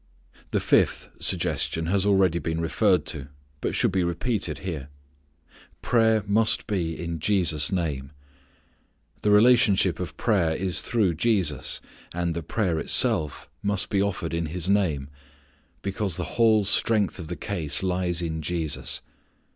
The fifth suggestion has already been referred to, but should be repeated here. Prayer must be in Jesus' name. The relationship of prayer is through Jesus. And the prayer itself must be offered in His name, because the whole strength of the case lies in Jesus.